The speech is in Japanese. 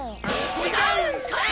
違うんかい！